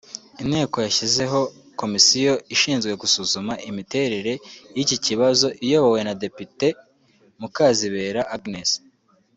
Inteko yashyizeho Komisiyo ishinzwe gusuzuma imiterere y’iki kibazo iyobowe na Depite Mukazibera Agnes